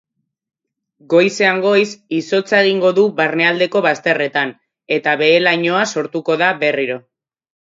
Goizean goiz izotza egingo du barnealdeko bazterretan eta behe-lainoa sortuko da berriro.